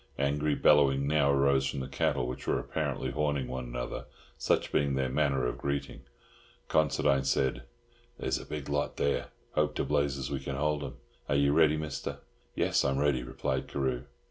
Angry bellowing now arose from the cattle, which were apparently horning one another—such being their manner of greeting. Considine said, "There's a big lot there. Hope to blazes we can hold 'em. Are you ready, Mister?" "Yes, I'm ready," replied Carew.